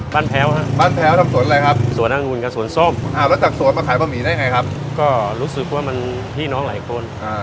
แพ้วครับบ้านแพ้วทำสวนอะไรครับสวนองุ่นกับสวนส้มแล้วจากสวนมาขายบะหมี่ได้ไงครับก็รู้สึกว่ามันพี่น้องหลายคน